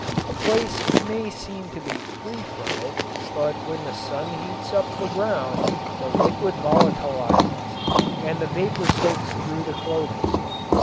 A place may seem to be free from it but when the sun heats up the ground the liquid volatilizes and the vapor soaks through the clothing.